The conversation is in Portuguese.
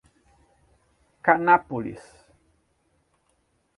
Canápolis